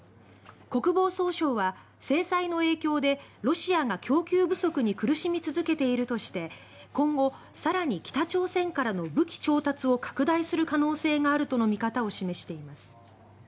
国防総省は、制裁の影響でロシアが供給不足に苦しみ続けているとして今後、更に北朝鮮からの武器調達を拡大する可能性があるとの見方を示しています。